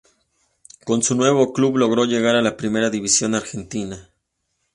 Con su nuevo club logró llegar a la Primera División Argentina.